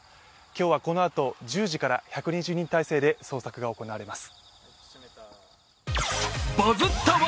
今日はこのあと１０時から１２０人態勢で捜索が行われます。